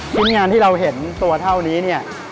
ชิ้นงานที่เราเห็นตัวเท่านี้เนี่ย